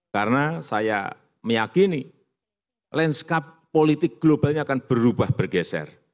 karena saya meyakini landscape politik globalnya akan berubah bergeser